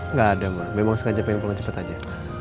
nggak ada ma memang suka jepit pulang cepet aja